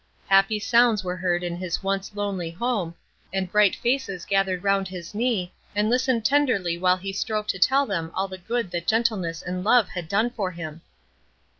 Happy sounds were heard in his once lonely home, and bright faces gathered round his knee, and listened tenderly while he strove to tell them all the good that gentleness and love had done for him.